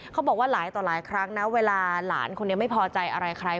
เขาบอกว่าหลายต่อหลายครั้งนะเวลาหลานคนนี้ไม่พอใจอะไรใคร